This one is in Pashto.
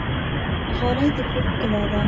غالۍ د کور ښکلا ده